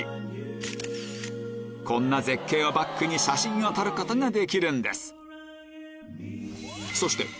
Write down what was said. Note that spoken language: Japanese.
こんな絶景をバックに写真を撮ることができるんです